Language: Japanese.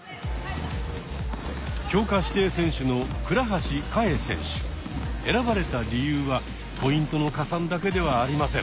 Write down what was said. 強化指定選手の選ばれた理由はポイントの加算だけではありません。